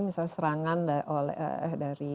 misalnya serangan dari